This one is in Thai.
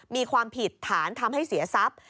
มีความผิดฐานทำให้เสียทรัพย์